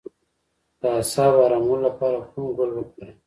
د اعصابو ارامولو لپاره کوم ګل وکاروم؟